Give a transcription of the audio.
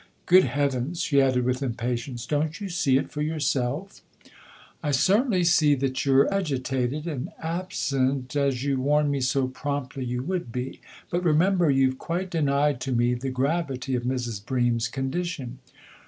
Good heavens," she added with impatience, " don't you see it for yourself ?"" I certainly see that you're agitated and absent as you warned me so promptly you would be. But remember you've quite denied to me the gravity of Mrs. Bream's condition."